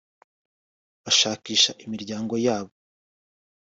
bashakisha imiryango yabo